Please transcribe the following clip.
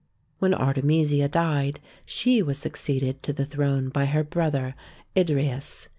When Artemisia died, she was succeeded to the throne by her brother Idrieus.